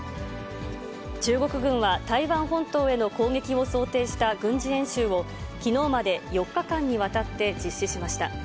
中国軍は台湾本島への攻撃を想定した軍事演習を、きのうまで４日間にわたって実施しました。